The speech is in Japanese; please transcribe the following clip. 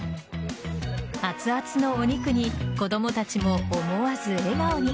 熱々のお肉に子供たちも思わず笑顔に。